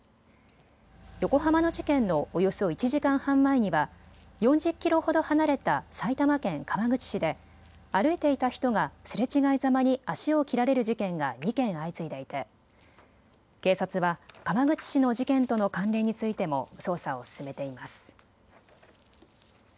横浜の事件のおよそ１時間半前には４０キロほど離れた埼玉県川口市で歩いていた人がすれ違いざまに足を切られる事件が２件相次いでいて警察は川口市の事件との関連についても捜査を進めています。